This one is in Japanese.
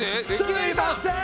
すいません！